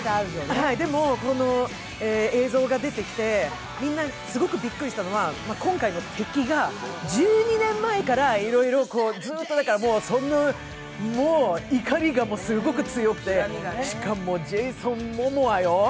でも、映像が出てきてびっくりしたのは、今回の敵が１２年前からいろいろ、怒りがすごく強くてしかもジェイソン・モモアよ。